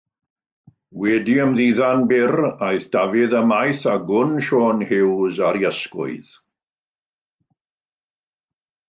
Wedi ymddiddan byr, aeth Dafydd ymaith â gwn Siôn Huws ar ei ysgwydd.